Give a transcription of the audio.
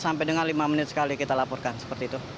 sampai dengan lima menit sekali kita laporkan seperti itu